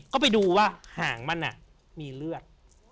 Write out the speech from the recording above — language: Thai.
ก็ไปดูว่าหางมันมีเลือด